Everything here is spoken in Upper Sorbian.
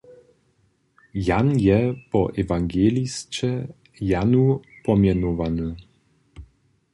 Jan je po ewangelisće Janu pomjenowany.